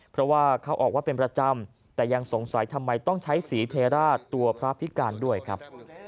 เพราะว่าเขาออกว่าเป็นประจำแต่ยังสงสัยทำไมต้องใช้สีเทราชตัวพระพิการด้วยครับ